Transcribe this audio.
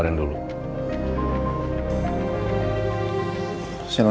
dia ada masalah